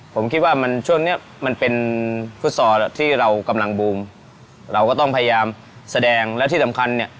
ผมคิดว่ามันช่วงเนี้ยมันเป็นฟุตซอลที่เรากำลังบูมเราก็ต้องพยายามแสดงและที่สำคัญเนี่ย